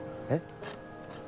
えっ？